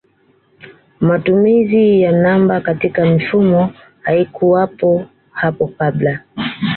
Matumizi ya namba katika mifumo haikuwepo hapo kabla